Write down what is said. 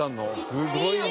すごいね。